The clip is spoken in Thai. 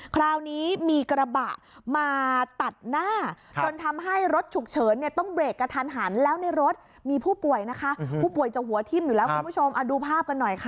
คราวนี้มีกระบะมาตัดหน้าจนทำให้รถฉุกเฉินเนี่ยต้องเบรกกระทันหันแล้วในรถมีผู้ป่วยนะคะผู้ป่วยจะหัวทิ้มอยู่แล้วคุณผู้ชมดูภาพกันหน่อยค่ะ